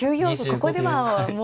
ここではもう。